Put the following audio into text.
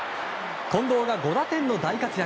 近藤が５打点の大活躍。